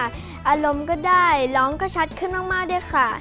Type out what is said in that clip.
อารมณ์ก็ได้ร้องก็ชัดขึ้นมากด้วยค่ะ